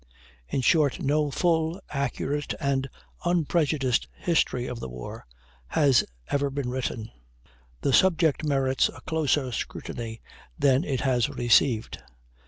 In short, no full, accurate, and unprejudiced history of the war has ever been written. The subject merits a closer scrutiny than it has received.